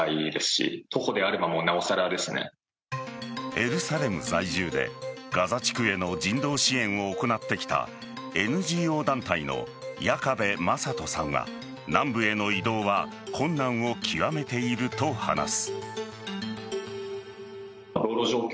エルサレム在住でガザ地区への人道支援を行ってきたＮＧＯ団体の矢加部真怜さんは南部への移動は困難を極めていると話す。